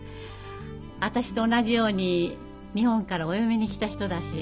私と同じように日本からお嫁に来た人だし。